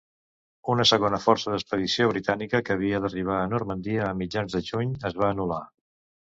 Una segona força d'expedició britànica, que havia d'arribar a Normandia a mitjans de juny, es va anul·lar.